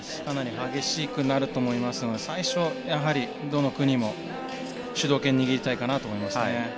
かなり激しくなると思いますので、最初、どの国も主導権を握りたいかなと思います。